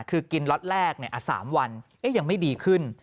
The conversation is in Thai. คือกินล็อตแรก๓วันยังไม่ดีขึ้น